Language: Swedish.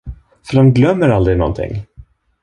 För de glömmer aldrig nånting.